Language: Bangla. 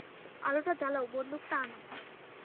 আলােটা জ্বালাও বন্দুকটা আন!